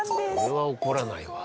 これは怒らないわ。